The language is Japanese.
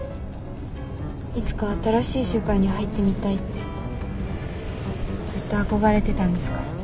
いつか新しい世界に入ってみたいってずっと憧れてたんですから。